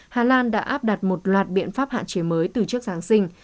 hà lan đã áp đặt một loạt biện pháp hạn chế mới từ trước giáng sinh